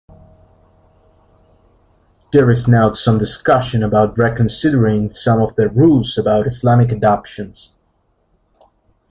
There is now some discussion about reconsidering some of the rules about Islamic adoptions.